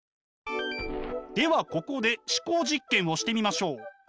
ではここで思考実験をしてみましょう！